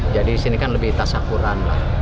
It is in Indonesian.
jadi disini kan lebih tasyakuran